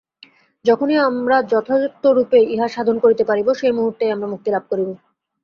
যখনই আমরা যথার্থরূপে ইহা সাধন করিতে পারিব, সেই মুহূর্তেই আমরা মুক্তি লাভ করিব।